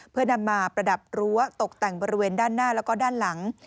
เพื่อนำมาประดับรั้วตกแต่งบริเวณด้านหน้าแล้วก็ด้านหลัง